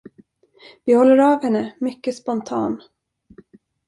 Vi håller av henne, mycket spontan.